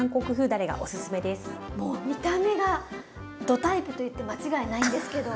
もう見た目がどタイプと言って間違いないんですけど。